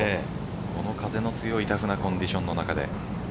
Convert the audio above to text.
この風の強いタフなコンディションの中で。